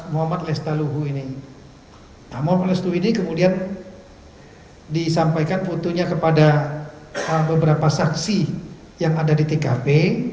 muhammad lestaluhu ini kemudian disampaikan fotonya kepada beberapa saksi yang ada di tkp